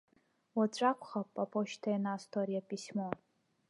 Уаҵәы акәхап аԥошьҭа ианасҭо ари аписьмо.